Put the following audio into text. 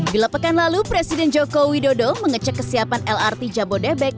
bila pekan lalu presiden joko widodo mengecek kesiapan lrt jabodebek